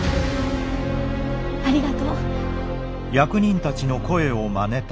ありがとう。